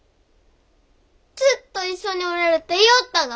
ずっと一緒におれるって言よおったが？